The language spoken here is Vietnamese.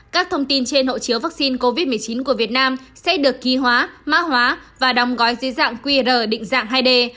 các thông tin trên hộ chiếu vaccine covid một mươi chín của việt nam sẽ được ký hóa mã hóa và đóng gói dưới dạng qr định dạng hai d